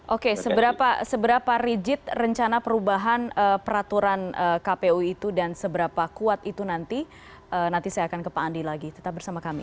oke seberapa rigid rencana perubahan peraturan kpu itu dan seberapa kuat itu nanti saya akan ke pak andi lagi tetap bersama kami